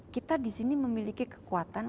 kita disini memiliki kekuatan